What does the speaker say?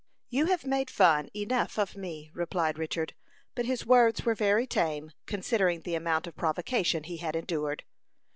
"You have made fun enough of me," replied Richard; but his words were very tame, considering the amount of provocation he had endured.